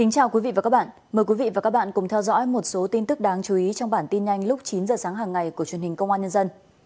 chào mừng quý vị đến với bản tin nhanh lúc chín h sáng hàng ngày của truyền hình công an nhân dân